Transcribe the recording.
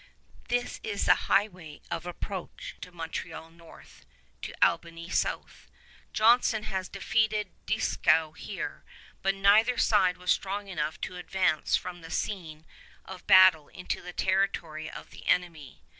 This is the highway of approach to Montreal north, to Albany south. Johnson had defeated Dieskau here, but neither side was strong enough to advance from the scene of battle into the territory of the enemy.